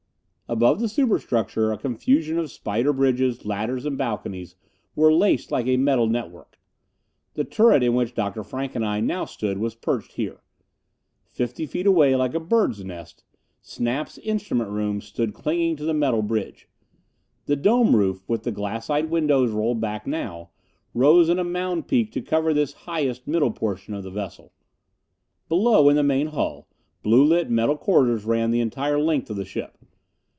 Above the superstructure a confusion of spider bridges, ladders and balconies were laced like a metal network. The turret in which Dr. Frank and I now stood was perched here. Fifty feet away, like a bird's nest, Snap's instrument room stood clinging to the metal bridge. The dome roof, with the glassite windows rolled back now, rose in a mound peak to cover this highest middle portion of the vessel. Below, in the main hull, blue lit metal corridors ran the entire length of the ship.